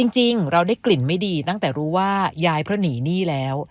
จริงเราได้กลิ่นไม่ดีตั้งแต่รู้ว่ายายเพราะหนีหนี้แล้ว